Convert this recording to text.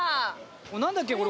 何だっけこれ。